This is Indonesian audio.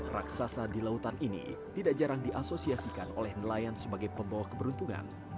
raksasa di lautan ini tidak jarang diasosiasikan oleh nelayan sebagai pembawa keberuntungan